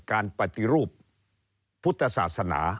การปฏิรูปพุทธศาสนา